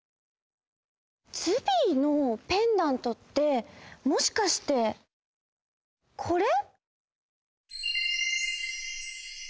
ズビーのペンダントってもしかしてこれ？